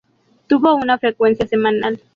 Tuvo una frecuencia semanal.